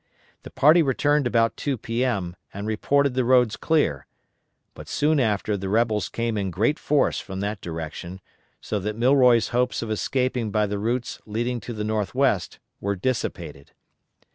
The party returned about 2 P.M. and reported the roads clear, but soon after the rebels came in great force from that direction, so that Milroy's hopes of escaping by the routes leading to the northwest were dissipated.